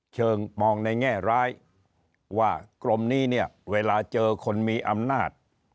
เชิงมองในแง่ร้ายว่ากรมนี้เนี่ยเวลาเจอคนมีอำนาจ